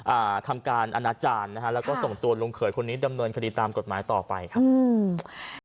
อ่าทำการอนาจารย์นะฮะแล้วก็ส่งตัวลุงเขยคนนี้ดำเนินคดีตามกฎหมายต่อไปครับอืม